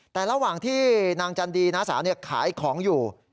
แต่ระหว่างที่นางจันดีน้าสาวขายของอยู่